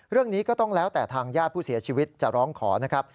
เรื่องนี้ก็ต้องแล้วแต่ทางญาติผู้เสียชีวิตจะร้องขอนะครับ